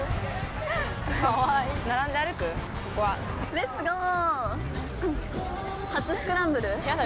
レッツゴー！